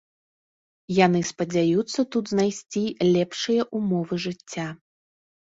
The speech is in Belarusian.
Яны спадзяюцца тут знайсці лепшыя ўмовы жыцця.